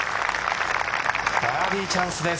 バーディーチャンスです